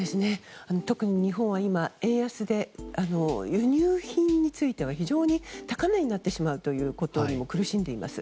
特に日本は今、円安で輸入品については非常に高値になってしまうことにも苦しんでいます。